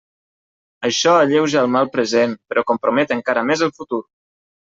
Això alleuja el mal present, però compromet encara més el futur.